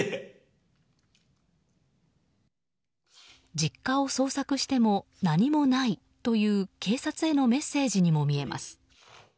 実家を捜索しても何もないという警察へのメッセージにも見えます。